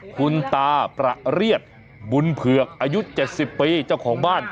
คุณตาประเรียดบุญเผือกอายุ๗๐ปีเจ้าของบ้าน